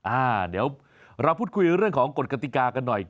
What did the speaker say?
อ่าเดี๋ยวเราพูดคุยเรื่องของกฎกติกากันหน่อย